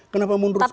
kenapa mundur sekarang